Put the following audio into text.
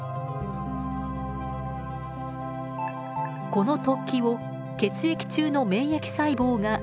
この突起を血液中の免疫細胞が異物と認識。